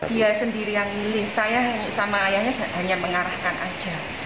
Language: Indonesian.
dia sendiri yang milih saya sama ayahnya hanya mengarahkan aja